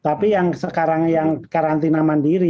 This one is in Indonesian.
tapi yang sekarang yang karantina mandiri